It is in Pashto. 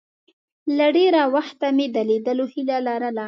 له ډېره وخته مې د لیدلو هیله لرله.